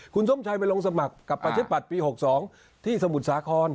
คุณสมชัยไปลงสมัครกับประชาธิปัตย์ปี๖๒ที่สมุทรสาคร